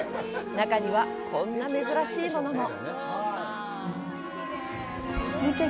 中には、こんな珍しいものも。